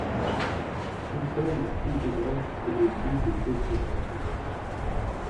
L'école n'a plus d'élèves, et l'église est peu fréquentée.